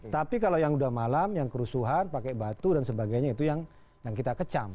tapi kalau yang udah malam yang kerusuhan pakai batu dan sebagainya itu yang kita kecam